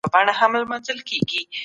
ځینې شنونکي دا نوښت بولي.